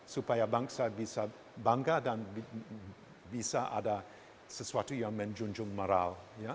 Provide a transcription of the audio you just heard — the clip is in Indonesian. supaya bangsa bisa bangga dan bisa ada sesuatu yang menjunjung moral